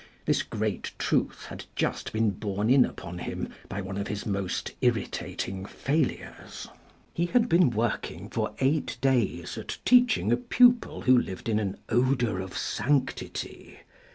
This great truth had just been borne in upon him by one of his most irritating failures. He had been working for eight days at teaching a pupil who lived in an odour of sanctity.